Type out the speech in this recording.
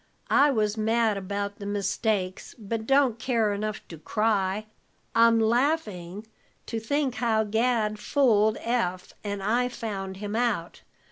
"I was mad about the mistakes, but don't care enough to cry. I'm laughing to think how Gad fooled Eph and I found him out.